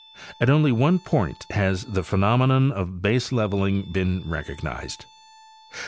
At only one point has the phenomenon of baselevel ing been recognized.